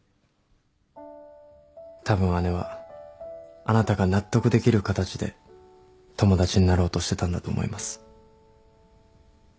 たぶん姉はあなたが納得できる形で友達になろうとしてたんだと思います。